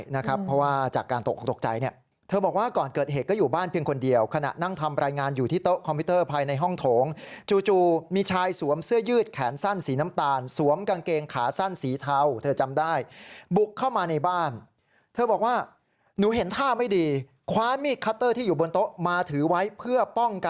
เพราะว่าจากการตกตกใจเนี่ยเธอบอกว่าก่อนเกิดเหตุก็อยู่บ้านเพียงคนเดียวขณะนั่งทำรายงานอยู่ที่โต๊ะคอมพิวเตอร์ภายในห้องโถงจู่มีชายสวมเสื้อยืดแขนสั้นสีน้ำตาลสวมกางเกงขาสั้นสีเทาเธอจำได้บุกเข้ามาในบ้านเธอบอกว่าหนูเห็นท่าไม่ดีคว้ามีดคัตเตอร์ที่อยู่บนโต๊ะมาถือไว้เพื่อป้องกัน